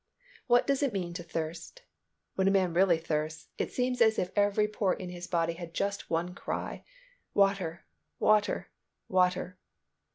What does it mean to thirst? When a man really thirsts, it seems as if every pore in his body had just one cry, "Water! Water! Water!"